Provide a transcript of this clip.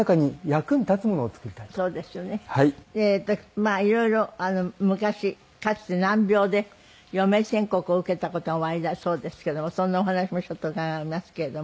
まあいろいろ昔かつて難病で余命宣告を受けた事もおありだそうですけどもそんなお話もちょっと伺いますけれども。